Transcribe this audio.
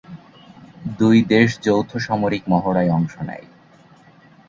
দুই দেশ যৌথ সামরিক মহড়ায় অংশ নেয়।